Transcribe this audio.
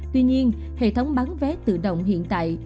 tuy nhiên hệ thống bán vé tự động hiện tại